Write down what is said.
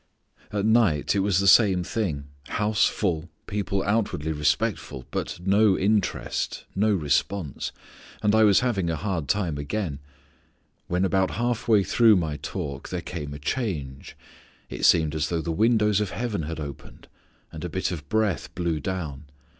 "At night it was the same thing: house full, people outwardly respectful, but no interest, no response. And I was having a hard time again. When about half way through my talk there came a change. It seemed as though the windows of heaven had opened and a bit of breath blew down.